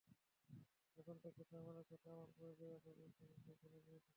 যখন থেকে সাইমনের সাথে আমার পরিচয়, একটা চিন্তাই মাথায় খেলে গিয়েছিল!